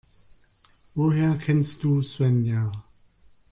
Woher kennst du Svenja?